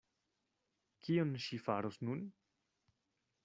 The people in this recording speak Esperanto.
Kion ŝi faros nun?